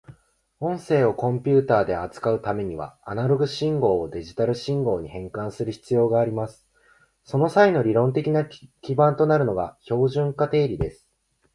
音声をコンピュータで扱うためには、アナログ信号をデジタル信号に変換する必要があります。その際の理論的な基盤となるのが標本化定理です。